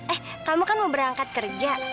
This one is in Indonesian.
eh kamu kan mau berangkat kerja